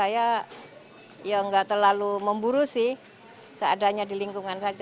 ya nggak terlalu memburusi seadanya di lingkungan saja